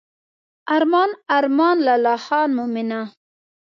ارمان ارمان لا خان مومنه.